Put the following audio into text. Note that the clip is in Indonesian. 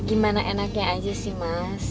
gimana enaknya aja sih mas